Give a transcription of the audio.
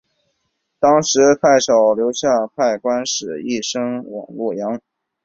当时太守刘夏派官吏陪同难升米一行前往洛阳。